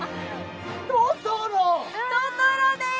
トトロでーす！